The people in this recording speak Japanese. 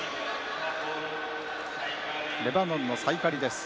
レバノンのサイカリです。